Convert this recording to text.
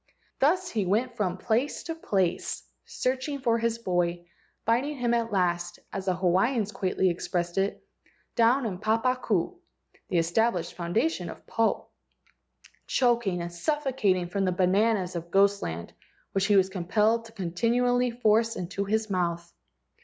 Thus he went from place to place, searching for his boy, finding him at last, as the Hawaiians quaintly expressed it, "down in the papa ku" (the established founda¬ tion of Po), choking and suffocating from the bananas of ghost land which he was compelled to continually force into his mouth.